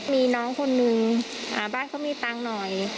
มีน้องคนนึงบ้านเขามีตังค์หน่อย